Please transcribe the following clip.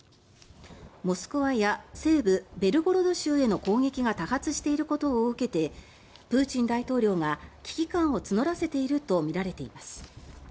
モスクワや西部ベルゴロド州への攻撃が多発していることを受けてプーチン大統領が危機感を募らせているとみられています。